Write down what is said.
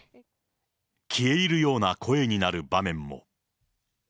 消え入るような声になる場面も。